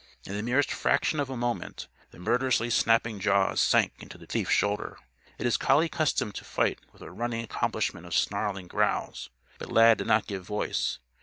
In the merest fraction of a moment, the murderously snapping jaws sank into the thief's shoulder. It is collie custom to fight with a running accompaniment of snarling growls. But Lad did not give voice.